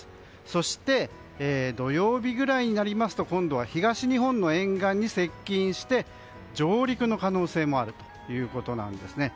そして、土曜日ぐらいになると今度は東日本の沿岸に接近して上陸の可能性もあるということです。